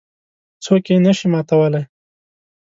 څوک یې نه شي ماتولای.